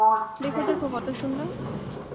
দেখ, দেখ, কত সুন্দর।